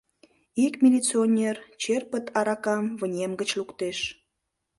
Ик милиционер черпыт аракам вынем гыч луктеш.